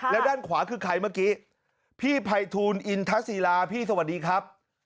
แล้วด้านขวาคือใครเมื่อกี้พี่ภัยทูลอินทศิลาพี่สวัสดีครับ